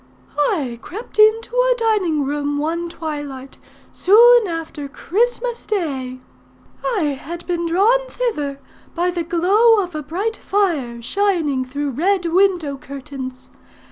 "I crept into a dining room, one twilight, soon after Christmas day. I had been drawn thither by the glow of a bright fire shining through red window curtains.